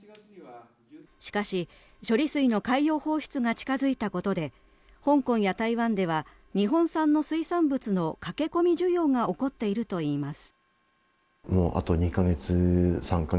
しかし、処理水の海洋放出が近付いたことで香港や台湾では日本産の水産物の駆け込み需要が起こっているといいます。